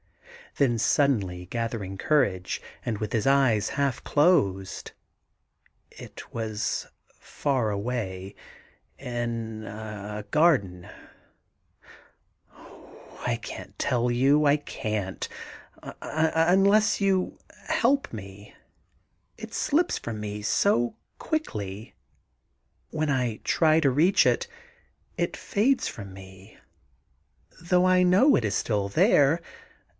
Then suddenly gathering courage, and with his eyes half closed :* It was far away ... in a garden ... Oh, I can't tell you ... I can't, unless you help me. ... It slips from me so' quickly. 24 THE GARDEN GOD ... When I try to reach it, it fades from me, though I know it is still there